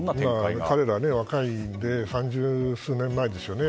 彼らは若いので３０数年前ですよね。